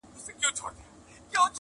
نور پخلا یو زموږ او ستاسي دي دوستي وي!!